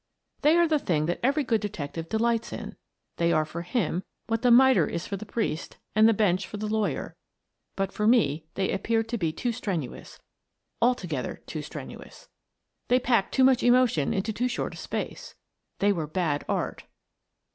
They are the thing that every good detective de lights in, they are for him what the mitre is for the priest and the bench for the lawyer, but for me they appeared to be too strenuous — altogether too strenuous. They packed too much emotion into too short a space. They were bad art.